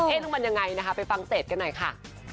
แล้วมันยังไงนะคะไปฟังเศษกันหน่อยค่ะ